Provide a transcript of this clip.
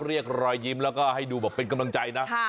เรียกรอยยิ้มแล้วก็ให้ดูแบบเป็นกำลังใจนะ